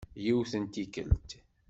Yiwet n tikkelt.